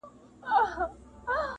زما پر زړه دغه ګيله وه ښه دى تېره سوله،